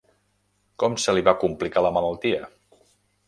Com se li va complicar la malaltia?